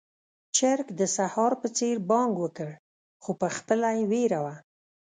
چرګ د سهار په څېر بانګ وکړ، خو پخپله يې وېره وه.